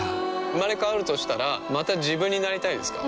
生まれ変わるとしたらまた自分になりたいですか？